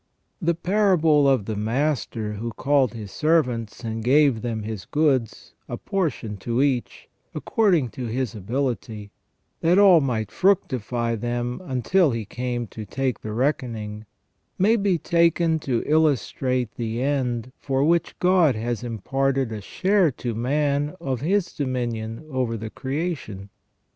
The parable of the master who called his servants and gave them his goods, a portion to each, according to his ability, that all might fructify them until he came to take the reckoning, may be taken to illustrate the end for which God has imparted a share to man of His dominion over the creation.